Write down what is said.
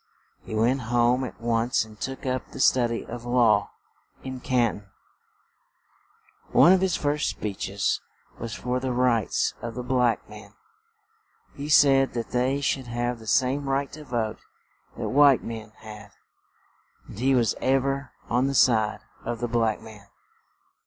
He went home at once and took up the stud y of law in Can ton; one of his first speech es was for the rights of the black men; he said that they should have the same right to vote that white men had; and he was ev er on the side of the black man.